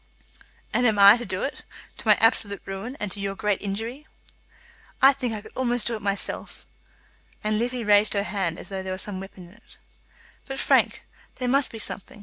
"And I am to do it, to my absolute ruin, and to your great injury?" "I think I could almost do it myself." And Lizzie raised her hand as though there were some weapon in it. "But, Frank, there must be something.